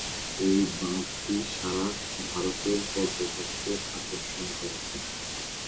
এই বাঁধটি সারা ভারতে পর্যটকদের আকর্ষণ করে।